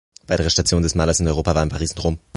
Weitere Station des Malers in Europa waren Paris und Rom.